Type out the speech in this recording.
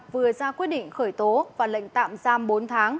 vừa ra quyết định khởi tố và lệnh tạm giam bốn tháng